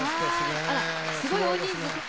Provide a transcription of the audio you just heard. あらすごい大人数。